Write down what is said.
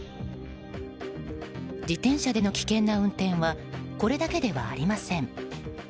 自転車での危険な運転はこれだけではありません。